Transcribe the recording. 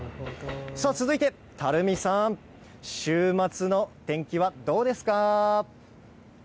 続いて、垂水さん、週末の天気はどうですか。